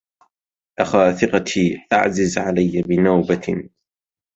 أخا ثقتي أعزز علي بنوبة